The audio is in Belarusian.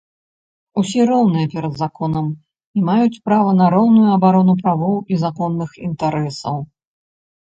Усе роўныя перад законам і маюць права на роўную абарону правоў і законных інтарэсаў.